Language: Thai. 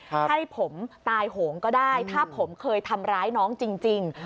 ให้ผมตายโหงก็ได้ถ้าผมเคยทำร้ายน้องจริง